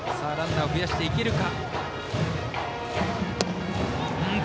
ランナーを増やしていけるか。